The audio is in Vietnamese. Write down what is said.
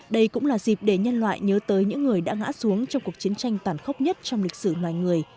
đây cũng là dịp để nhân loại nhớ tới những người đã ngã xuống trong cuộc chiến tranh tàn khốc nhất trong lịch sử ngoài người